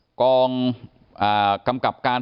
พี่สาวของน้องชมพู่ไปที่ตัวเมืองมุกดาหาร่างครองกำกับการ